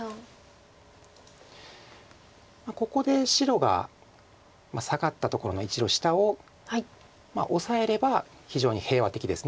ここで白がサガったところの１路下をオサえれば非常に平和的です。